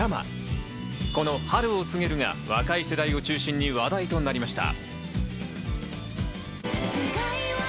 この『春を告げる』が若い世代を中心に話題となりました。